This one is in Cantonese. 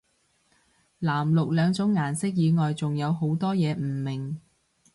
藍綠兩種顏色以外仲有好多嘢唔明